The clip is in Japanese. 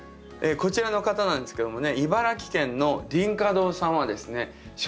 こちらの方なんですけどもね。